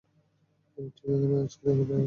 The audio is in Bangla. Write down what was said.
আমি ঠিক এখানেই আছি, দেখো তাকিয়ে।